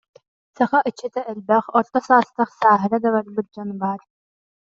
Саха ыччата элбэх, орто саастаах, сааһыра да барбыт дьон баар